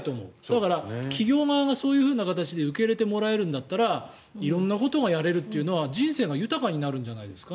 だから、企業側がそういう形で受け入れてもらえるんだったら色んなことがやれるというのは人生が豊かになるんじゃないですか。